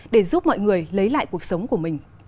để giúp mọi người lấy lại cuộc sống của mình